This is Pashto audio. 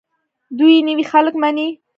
دوی نوي خلک مني.